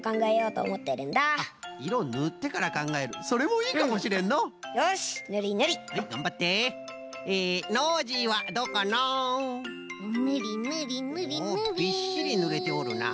おおびっしりぬれておるな。